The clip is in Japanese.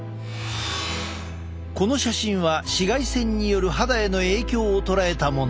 この写真は紫外線による肌への影響を捉えたもの。